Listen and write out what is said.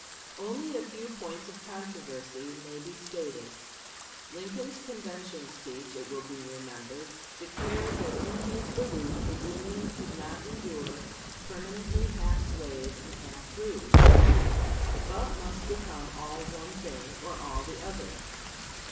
Only a few points of controversy may be stated. Lincoln's convention speech, it will be remembered, declared that in his belief the Union could not endure permanently half slave and half free, but must become all one thing or all the other.